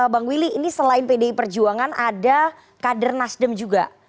bang willy ini selain pdi perjuangan ada kader nasdem juga